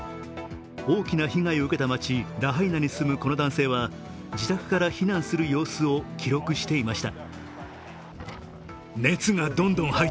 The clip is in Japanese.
大きな被害を受けた街・ラハイナに住むこの男性は自宅から避難する様子を記録していました。